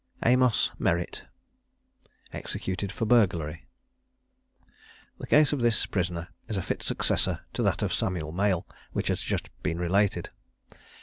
AMOS MERRITT. EXECUTED FOR BURGLARY. The case of this prisoner is a fit successor to that of Samuel Male, which has been just related.